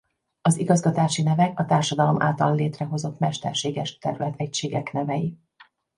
Az igazgatási nevek a társadalom által létrehozott mesterséges területegységek nevei.